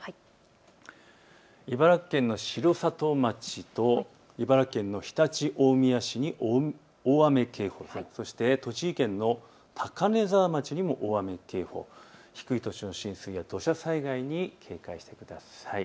茨城県の城里町と常陸大宮市に大雨警報、そして栃木県の高根沢町にも大雨警報、低い土地の浸水や土砂災害に警戒してください。